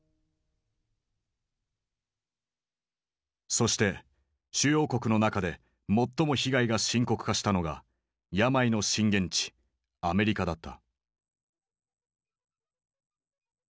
そして主要国の中で最も被害が深刻化したのが病の震源地アメリカだった。